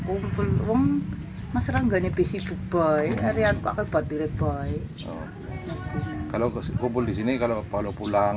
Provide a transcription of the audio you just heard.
kumpul mas ranggani bisi bu bayi ariyat kakak bapiret bayi kalau keseluruh disini kalau pulang